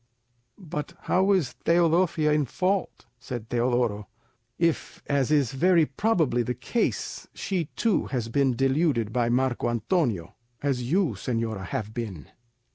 "But how is Teodosia in fault," said Teodoro, "if, as is very probably the case, she too has been deluded by Marco Antonio, as you, señora, have been?"